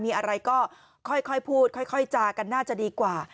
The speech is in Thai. มีอะไรก็ค่อยพูดค่อยจากันน่าจะดีกว่า